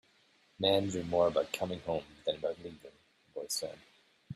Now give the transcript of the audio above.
"Men dream more about coming home than about leaving," the boy said.